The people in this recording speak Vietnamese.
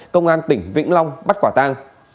công an tỉnh vĩnh long bắt quả tang